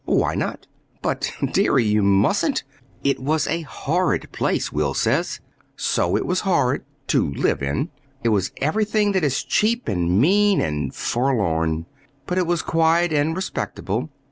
Why not?" "But, dearie, you mustn't. It was a horrid place, Will says." "So it was horrid to live in. It was everything that was cheap and mean and forlorn. But it was quiet and respectable.